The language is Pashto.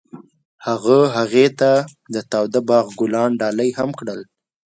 هغه هغې ته د تاوده باغ ګلان ډالۍ هم کړل.